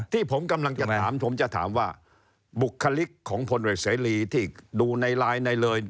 ที่ผมกำลังจะถามผมจะถามว่าบุคลิกของพลเอกเสรีที่ดูในไลน์ในเลย